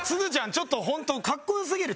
ちょっとホントかっこよすぎる。